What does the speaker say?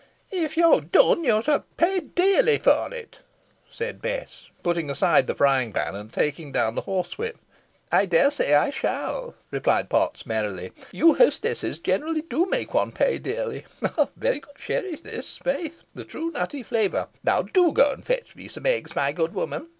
"If yo dun, yo shan pay dearly for it," said Bess, putting aside the frying pan and taking down the horsewhip. "I daresay I shall," replied Potts merrily; "you hostesses generally do make one pay dearly. Very good sherris this, i' faith! the true nutty flavour. Now do go and fetch me some eggs, my good woman.